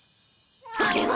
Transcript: あれは！